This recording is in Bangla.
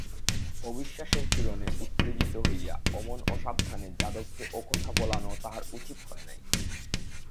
অবিশ্বাসের পীড়নে উত্তেজিত করিয়া অমন অসাবধানে যাদবকে ওকথা বলানো তাহার উচিত হয় নাই।